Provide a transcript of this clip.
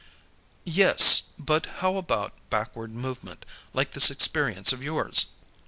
"Yes. But how about backward movement, like this experience of yours?"